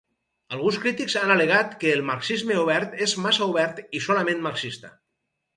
Alguns crítics han al·legat que el marxisme obert és massa obert i solament marxista.